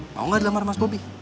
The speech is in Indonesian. mau gak lamar mas bobby